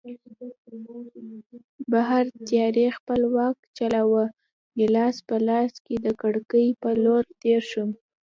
بهر تیارې خپل واک چلاوه، ګیلاس په لاس د کړکۍ په لور تېر شوم.